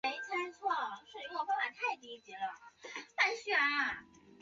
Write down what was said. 嘉靖二十二年升任户部右侍郎。